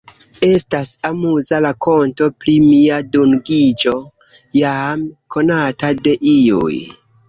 Estas amuza rakonto pri mia dungiĝo, jam konata de iuj.